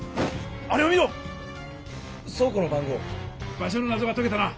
場所の謎がとけたな！